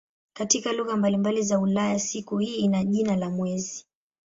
Katika lugha mbalimbali za Ulaya siku hii ina jina la "mwezi".